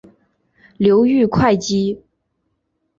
流寓会稽。